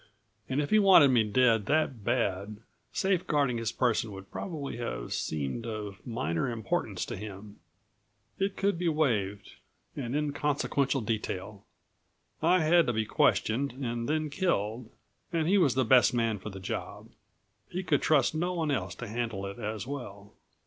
And if he wanted me dead that bad, safe guarding his person would probably have seemed of minor importance to him. It could be waived an inconsequential detail. I had to be questioned and then killed, and he was the best man for the job. He could trust no one else to handle it as well.